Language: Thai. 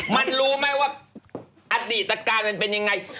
มันรู้ไหมว่าอดีตการมันเป็นยังไง